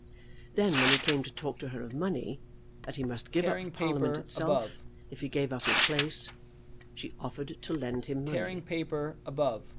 Then, when he came to talk to her of money, that he must give up Parliament itself, if he gave up his place, she offered to lend him money.